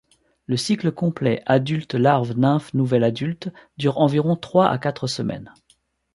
Le cycle complet adulte-larve-nymphe-nouvel adulte dure environ trois à quatre semaines.